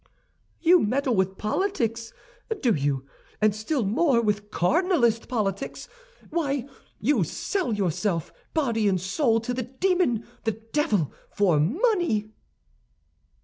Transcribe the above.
"You meddle with politics, do you—and still more, with cardinalist politics? Why, you sell yourself, body and soul, to the demon, the devil, for money!"